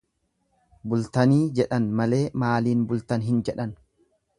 Bultanii jedhan malee maaliin bultan hin jedhan.